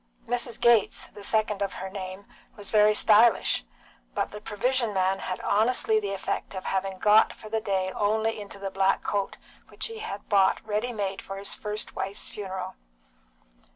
Mrs. Gates, the second of her name, was very stylish, but the provision man had honestly the effect of having got for the day only into the black coat which he had bought ready made for his first wife's funeral.